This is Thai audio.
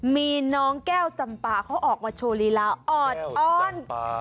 มีน้องแก้วจำปาเขาออกมาโชว์ลีลาออดอ้อน